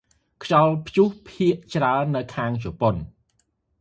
ខ្យល់ព្យុះភាគច្រើនទៅខាងជប៉ុន ។